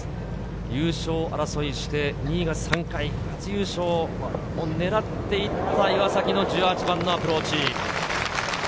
優勝争いをして２位が３回、初優勝を狙っていった岩崎の１８番のアプローチ。